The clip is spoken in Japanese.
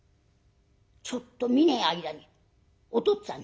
「ちょっと見ねえ間におとっつぁん